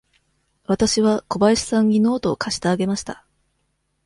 わたしは小林さんにノートを貸してあげました。